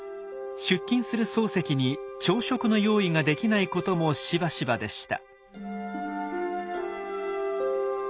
出勤する漱石に朝食の用意ができないこともしばしばでした。